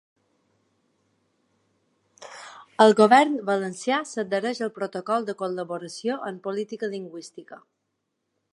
El govern valencià s’adhereix al protocol de col·laboració en política lingüística.